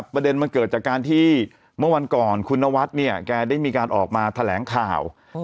ประเด็นมันเกิดจากการที่เมื่อวันก่อนคุณนวัดเนี่ยแกได้มีการออกมาแถลงข่าว